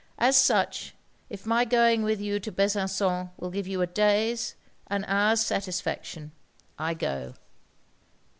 As such, if my going with you to Besançon will give you a day's an hour's satisfaction, I go.'